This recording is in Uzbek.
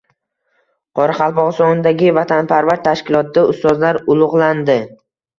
Qoraqalpog‘istondagi “Vatanparvar” tashkilotida ustozlar ulug‘landi